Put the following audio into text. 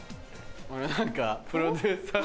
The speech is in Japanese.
何かプロデューサー。